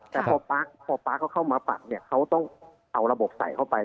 แต่พอป๊าพอป๊าเขาเข้ามาปักเนี่ยเขาต้องเอาระบบใส่เข้าไป